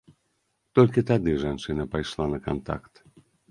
Толькі тады жанчына пайшла на кантакт.